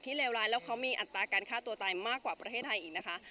เลวร้ายแล้วเขามีอัตราการฆ่าตัวตายมากกว่าประเทศไทยอีกนะคะ